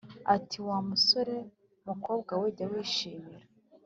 Ati wa musore mukobwa we jya wishimira